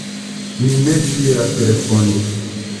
Mi ne scias respondi.